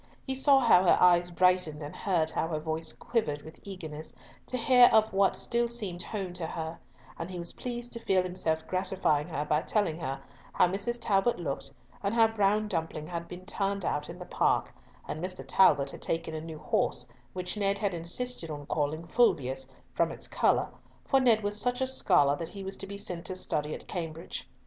He saw how her eyes brightened and heard how her voice quivered with eagerness to hear of what still seemed home to her, and he was pleased to feel himself gratifying her by telling her how Mrs. Talbot looked, and how Brown Dumpling had been turned out in the Park, and Mr. Talbot had taken a new horse, which Ned had insisted on calling "Fulvius," from its colour, for Ned was such a scholar that he was to be sent to study at Cambridge.